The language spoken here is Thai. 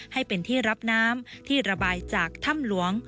ให้เป็นที่รับน้ำที่ระบายจากถ้ำหลวง